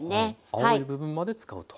青い部分まで使うと。